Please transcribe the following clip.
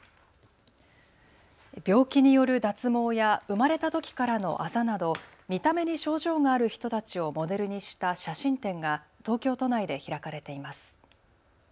病気による脱毛や生まれたときからのあざなど見た目に症状がある人たちをモデルにした写真展が東京都内で開かれています。